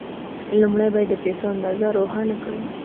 لومړی باید د پيسو اندازه روښانه کړئ.